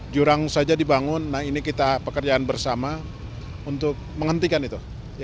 jurang saja dibangun nah ini kita pekerjaan bersama untuk menghentikan itu